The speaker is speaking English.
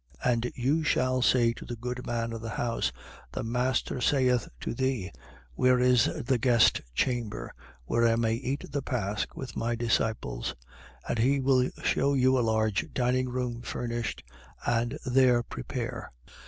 22:11. And you shall say to the goodman of the house: The master saith to thee: Where is the guest chamber, where I may eat the pasch with my disciples? 22:12. And he will shew you a large dining room, furnished. And there prepare.